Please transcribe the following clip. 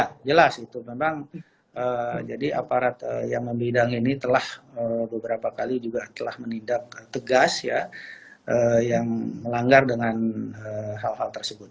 ya jelas itu memang jadi aparat yang membidang ini telah beberapa kali juga telah menindak tegas ya yang melanggar dengan hal hal tersebut